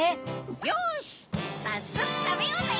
よしさっそくたべようぜ！